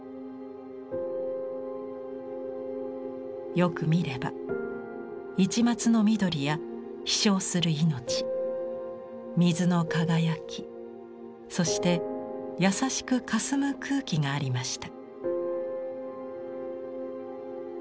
よく見れば一抹の緑や飛翔する命水の輝きそして優しくかすむ空気がありました。